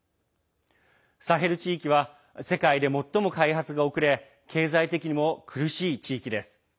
サヘル地域は世界で最も開発が遅れ経済的にも苦しい地域です。